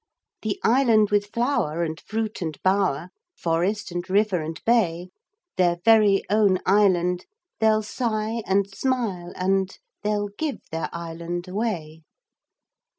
'The island with flower And fruit and bower, Forest and river and bay, Their very own island They'll sigh and smile and They'll give their island away.'